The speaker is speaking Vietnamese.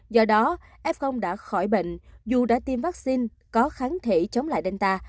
do đó f đã khỏi bệnh dù đã tiêm vaccine có kháng thể chống lại delta